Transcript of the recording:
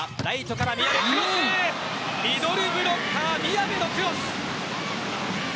ミドルブロッカー宮部のクロス。